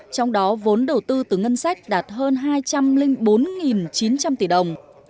trong đó vốn đầu tư từ ngân sách đạt hơn hai trăm linh bốn chín trăm linh tỷ đồng